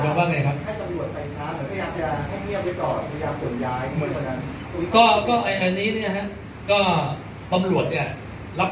ถ้าข้างน้อยผมช่วยอธิบายเลยนะครับเรื่องของการประวิงเวลา